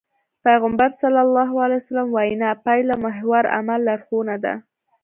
پيغمبر ص وينا پايلهمحور عمل لارښوونه ده.